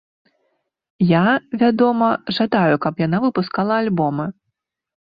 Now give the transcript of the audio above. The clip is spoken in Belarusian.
Я, вядома, жадаю, каб яна выпускала альбомы.